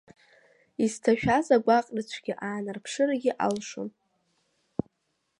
Изҭашәаз агәаҟра цәгьа аанарԥшыргьы алшон…